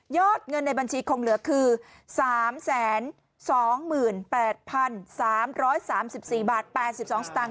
เงินในบัญชีคงเหลือคือ๓๒๘๓๓๔บาท๘๒สตางค